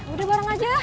udah bareng aja